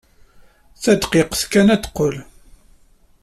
Tadqiqt kan ad d-teqqel.